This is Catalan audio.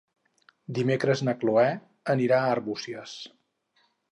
Dimecres na Cloè anirà a Arbúcies.